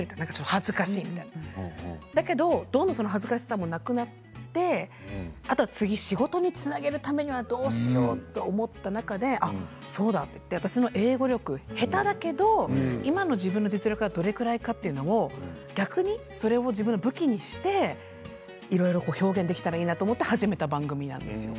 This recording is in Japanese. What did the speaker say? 恥ずかしいと恥ずかしさもどんどんなくなってあとは次、仕事につなげるためにはどうしようと思った中で私の英語力、下手だけど今の自分の実力はどれくらいかというのを逆にそれを自分の武器にしていろいろ表現できたらいいなと思って始めた番組なんですよ。